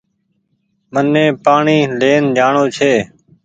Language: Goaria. مني پآڻيٚ لين جآڻو ڇي۔